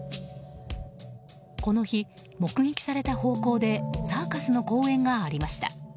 この日、目撃された方向でサーカスの公演がありました。